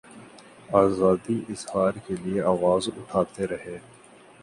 آزادیٔ اظہار کیلئے آواز اٹھاتے رہے۔